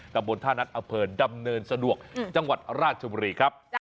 กระบวนท่านักอเผินดำเนินสะดวกจังหวัดราชบุรีครับ